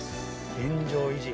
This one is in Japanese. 「現状維持」。